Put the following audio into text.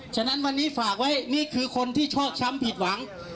ฉะนั้นวันนี้ฝากไว้นี่คือคนที่ชอบช้ำผิดหวัง